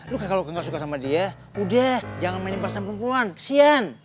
lo kakak lo gak suka sama dia udah jangan mainin pas sama perempuan kesian